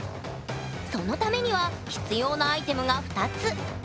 そのためには必要なアイテムが２つ。